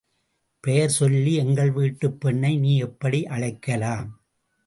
பெயர் சொல்லி எங்கள்வீட்டுப் பெண்ணை நீ எப்படி அழைக்கலாம்?